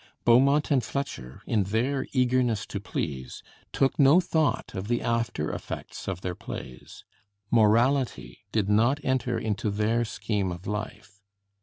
Beaumont and Fletcher, in their eagerness to please, took no thought of the after effects of their plays; morality did not enter into their scheme of life.